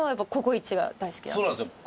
そうなんですよ。